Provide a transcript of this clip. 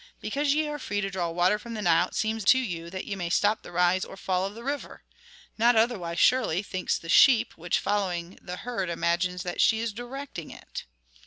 Because ye are free to draw water from the Nile it seems to you that ye may stop the rise or the fall of the river. Not otherwise, surely, thinks the sheep, which following the herd imagines that she is directing it."